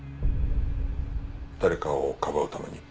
誰かをかばうために。